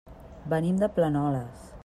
Venim de Planoles.